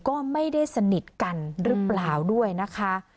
ก็ไม่ได้สนิทกันหรือเปล่าด้วยนะคะ